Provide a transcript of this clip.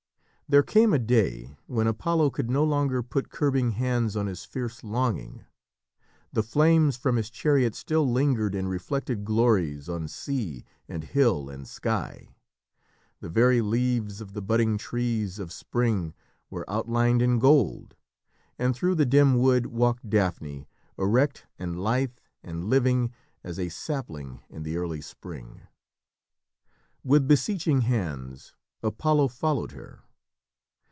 There came a day when Apollo could no longer put curbing hands on his fierce longing. The flames from his chariot still lingered in reflected glories on sea and hill and sky. The very leaves of the budding trees of spring were outlined in gold. And through the dim wood walked Daphne, erect and lithe and living as a sapling in the early spring. With beseeching hands, Apollo followed her.